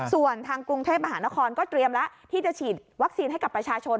ส่วนทางกรุงเทพมหานครก็เตรียมแล้วที่จะฉีดวัคซีนให้กับประชาชน